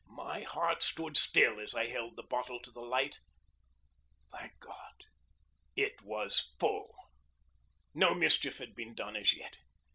My heart stood still as I held the bottle to the light. Thank God, it was full! No mischief had been done as yet.